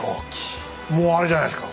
もうあれじゃないですか。